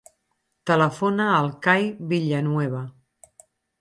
Telefona al Kai Villanueva.